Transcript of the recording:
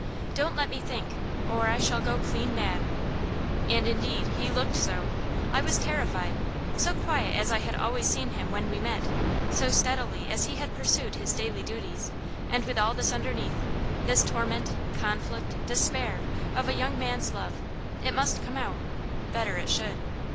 Don't let me think, or I shall go clean mad." And indeed he looked so. I was terrified. So quiet as I had always seen him when we met, so steadily as he had pursued his daily duties; and with all this underneath this torment, conflict, despair, of a young man's love. It must come out better it should.